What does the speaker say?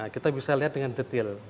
kita bisa lihat dengan detail